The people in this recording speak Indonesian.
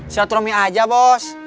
saya turunnya aja bos